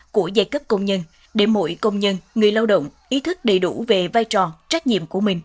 của giai cấp công nhân để mỗi công nhân người lao động ý thức đầy đủ về vai trò trách nhiệm của mình